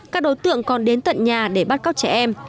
các đối tượng còn đến tận nhà để bắt cóc trẻ em